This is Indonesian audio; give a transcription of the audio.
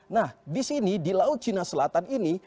nah di sini di laut cina selatan ini